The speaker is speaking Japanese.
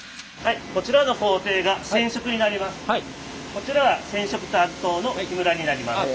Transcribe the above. こちらが染色担当の木村になります。